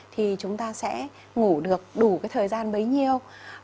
thì chúng ta sẽ ngủ được đủ cái thời gian bấy nhiêu